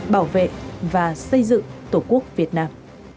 bảo vệ và xây dựng tổ quốc việt nam